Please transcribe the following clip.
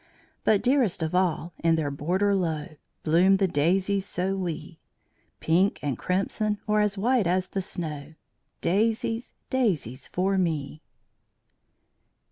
But dearest of all, in their border low, Bloom the daisies so wee. Pink and crimson, or as white as the snow; Daisies, daisies for me!